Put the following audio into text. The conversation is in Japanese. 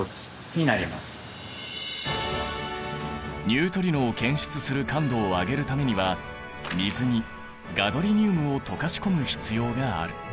ニュートリノを検出する感度を上げるためには水にガドリニウムを溶かし込む必要がある。